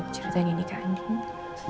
ceritain ini ke andin